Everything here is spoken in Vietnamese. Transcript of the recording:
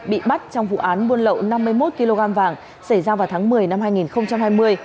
bị bắt trong vụ án buôn lậu năm mươi một kg vàng xảy ra vào tháng một mươi năm hai nghìn hai mươi